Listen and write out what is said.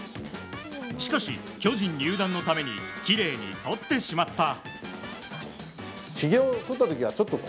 しかし巨人入団のためにきれいにそってしまった。